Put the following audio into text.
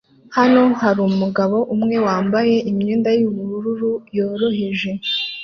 Hano harumugabo umwe wambaye imyenda yubururu yoroheje